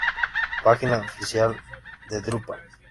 Página oficial de Drupal